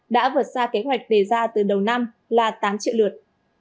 đã vượt xa kế hoạch đề ra từ đầu năm là tám triệu lượt